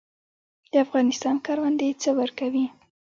د افغانستان کروندې څه ورکوي؟